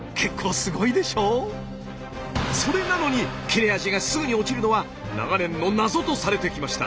それなのに切れ味がすぐに落ちるのは長年の謎とされてきました。